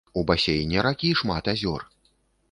У басейне ракі шмат азёр.